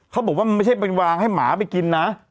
เขาบอกว่ามันไม่ใช่เป็นวางให้หมาไปกินนะ